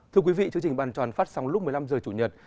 thưa quý vị chương trình bàn tròn phát sóng lúc một mươi năm h chủ nhật